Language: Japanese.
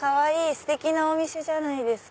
ステキなお店じゃないですか。